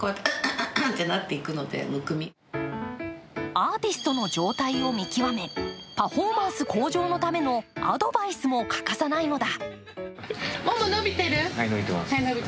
アーティストの状態を見極めパフォーマンス向上のためのアドバイスも欠かさないのだ。